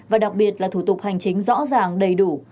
và đặc biệt là thủ tục hành chính rõ ràng đầy đủ